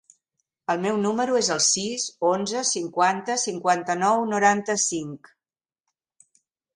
El meu número es el sis, onze, cinquanta, cinquanta-nou, noranta-cinc.